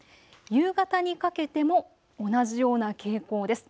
夕方にかけても同じような傾向です。